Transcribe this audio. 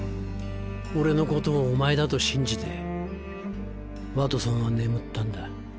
俺のことをお前だと信じてワトソンは眠ったんだ。